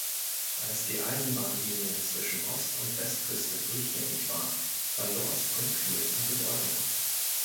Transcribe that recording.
Als die Eisenbahnlinie zwischen Ost- und Westküste durchgängig war, verlor Springfield an Bedeutung.